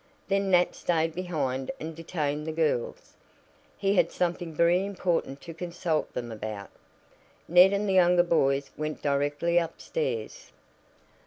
Then Nat stayed behind and detained the girls he had something very important to consult them about. Ned and the younger boys went directly upstairs.